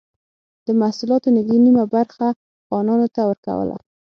د محصولاتو نږدې نییمه برخه خانانو ته ورکوله.